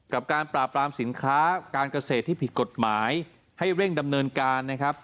กับการปราบรามสินค้าการเกษตรที่ผิดกฎหมายให้เร่งดำเนินการนะครับ